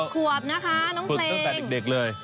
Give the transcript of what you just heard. ๘ขวบนะคะน้องเพลงแล้วพึกตั้งแต่เด็กเลย